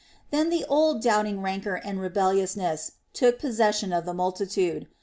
Then the old doubting rancor and rebelliousness took possession of the multitude.